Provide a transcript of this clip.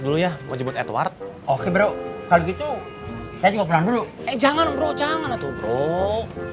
dulu ya mau jemput edward oke bro kalau gitu saya juga bilang dulu eh jangan bro jangan tuh bro